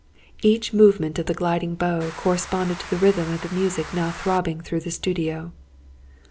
Each movement of the gliding bow, corresponded to the rhythm of the music now throbbing through the studio.